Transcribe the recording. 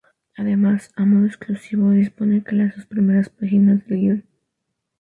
Además, a modo exclusivo dispone de las dos primeras páginas del guión.